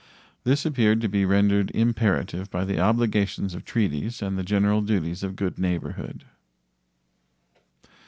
This appeared to be rendered imperative by the obligations of treaties and the general duties of good neighborhood.